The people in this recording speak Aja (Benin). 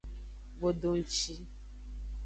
Gbodongci.